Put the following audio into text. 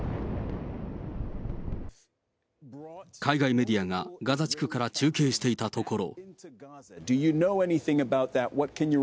海外メディアがガザ地区から中継していたところ。